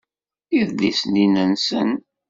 Idlisen-inna nsen.